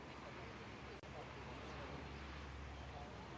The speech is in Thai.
เมื่อเวลาเมื่อเวลาเมื่อเวลาเมื่อเวลา